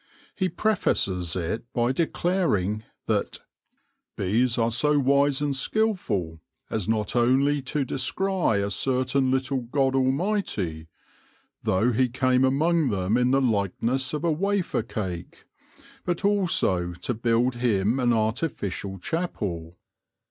He prefaces it by declaring that " Bees are so wise and skilful, as not onely to discrie a certaine little God amightie, though he came among them in the likenesse of a Wafer cake ; but also to build him an artificial chappell.